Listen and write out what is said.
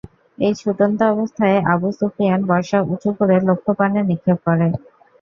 এই ছুটন্ত অবস্থায় আবু সুফিয়ান বর্শা উঁচু করে লক্ষ্যপানে নিক্ষেপ করে।